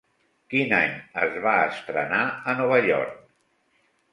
Quin any es va estrenar a Nova York?